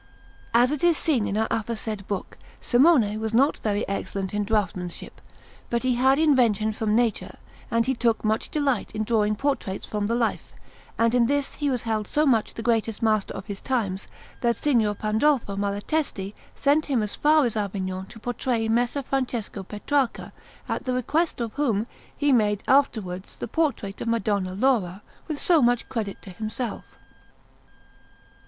As it is seen in our aforesaid book, Simone was not very excellent in draughtsmanship, but he had invention from nature, and he took much delight in drawing portraits from the life; and in this he was held so much the greatest master of his times that Signor Pandolfo Malatesti sent him as far as Avignon to portray Messer Francesco Petrarca, at the request of whom he made afterwards the portrait of Madonna Laura, with so much credit to himself.